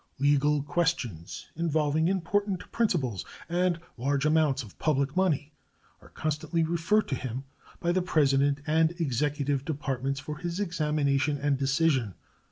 Legal questions involving important principles and large amounts of public money are constantly referred to him by the President and Executive Departments for his examination and decision.